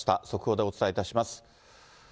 速報でお伝えいたします。